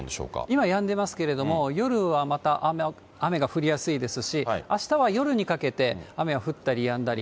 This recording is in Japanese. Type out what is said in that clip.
今、やんでますけれども、夜はまた雨が降りやすいですし、あしたは夜にかけて雨が降ったりやんだり。